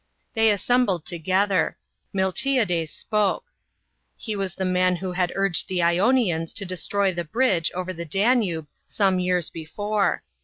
They assembled together. Miltiades 1 spoke. He . was the man who had urged the lonians to destroy the bridge over the Danube some years before.